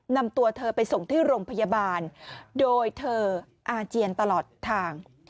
นำตัวเธอไปส่งที่โรงพยาบาลโดยเธออาเจียนตลอดทาง